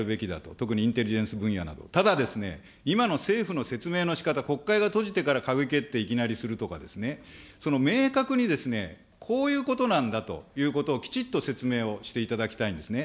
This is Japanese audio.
特にインテリジェンス分野など、ただですね、今の政府の説明のしかた、国会が閉じてから閣議決定いきなりするとかですね、明確にですね、こういうことなんだということを、きちっと説明をしていただきたいんですね。